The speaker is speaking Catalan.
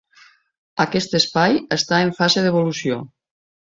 Aquest espai està en fase d'evolució.